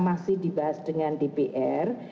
masih dibahas dengan dpr